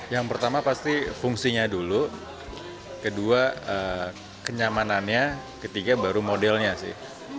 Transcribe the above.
yang pertama pasti fungsinya dulu kedua kenyamanannya ketiga baru modelnya sih